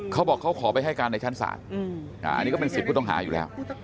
เขาบอกเขาขอไปให้การในชั้นศาลอันนี้ก็เป็นสิทธิ์ผู้ต้องหาอยู่แล้ว